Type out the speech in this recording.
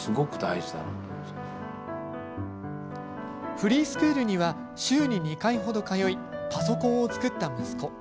フリースクールには週に２回程、通いパソコンを作った息子。